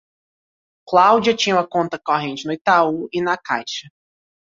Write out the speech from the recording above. Cláudia tinha uma conta corrente no Itaú e na Caixa.